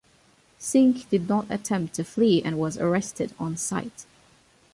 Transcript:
Singh did not attempt to flee and was arrested on site.